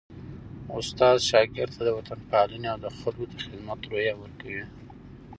استاد شاګرد ته د وطنپالني او د خلکو د خدمت روحیه ورکوي.